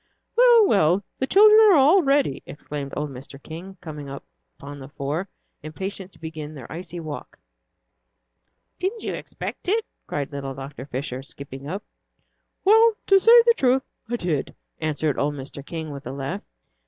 "Well, well, the children are all ready," exclaimed old Mr. King, coming upon the four, impatient to begin their icy walk. "Didn't you expect it?" cried little Dr. Fisher, skipping up. "Well, to say the truth, I did," answered old Mr. King, with a laugh.